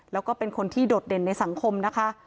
แล้วก็เป็นคนที่โดดเด่นในสังคมนะคะ